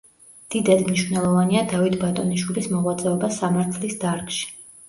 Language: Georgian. დიდად მნიშვნელოვანია დავით ბატონიშვილის მოღვაწეობა სამართლის დარგში.